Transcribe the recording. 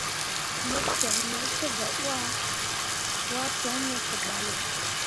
Ne cok me te gah wah, waa coŋ me ke balle.